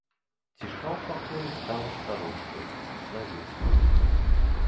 Ціша ў пакоі стала старожкай, злавеснай.